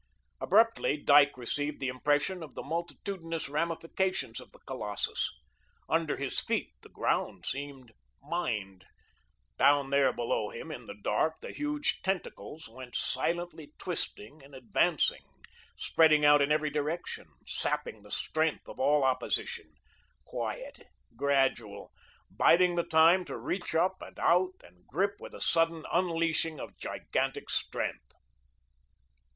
Abruptly Dyke received the impression of the multitudinous ramifications of the colossus. Under his feet the ground seemed mined; down there below him in the dark the huge tentacles went silently twisting and advancing, spreading out in every direction, sapping the strength of all opposition, quiet, gradual, biding the time to reach up and out and grip with a sudden unleashing of gigantic strength.